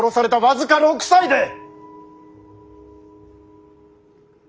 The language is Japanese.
僅か６歳で！